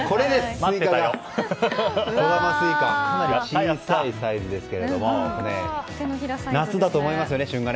小さいサイズですけども夏だと思いますよね、旬が。